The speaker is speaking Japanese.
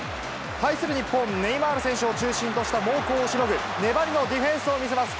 対する日本、ネイマール選手を中心とした猛攻をしのぐ、粘りのディフェンスを見せます。